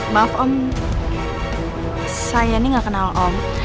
maaf om saya ini gak kenal om